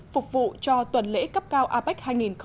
phục vụ cho tuần lễ cấp cao apec hai nghìn một mươi bảy